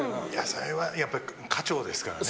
それはやっぱり家長ですからね。